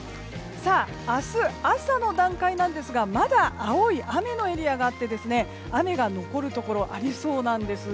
明日朝の段階ですがまだ青い雨のエリアがあって雨が残るところありそうなんです。